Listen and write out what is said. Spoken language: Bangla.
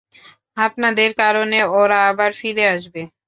আপনাদের কারণে ওরা আবার ফিরে আসবে।